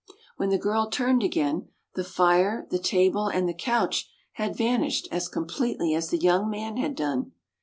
When the girl turned again, the fire, the table, and the couch had vanished as com pletely as the young man had done.